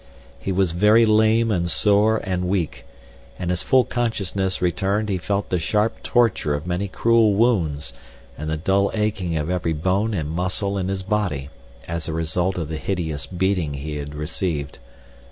He was very lame and sore and weak, and as full consciousness returned he felt the sharp torture of many cruel wounds and the dull aching of every bone and muscle in his body as a result of the hideous beating he had received.